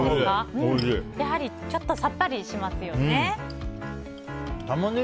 やはりちょっとさっぱりしますよね。